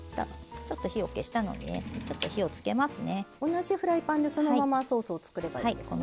同じフライパンでそのままソースを作ればいいんですね。